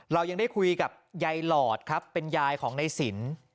เรายังได้คุยกับยายหลอดครับเป็นยายของในสิน